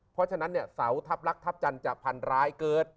เพราะฉะนั้นเนี่ยเสาทัพลักษณทัพจันทร์จะพันร้ายเกิด